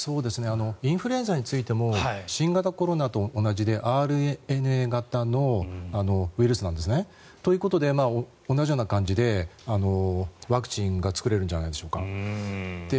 インフルエンザについても新型コロナと同じでＲＮＡ型のウイルスなんですね。ということで同じような感じでワクチンが作れるんじゃないでしょうか。